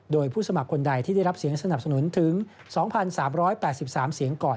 โดยผู้สมัครคนใดที่ได้รับเสียงสนับสนุนถึง๒๓๘๓เสียงก่อน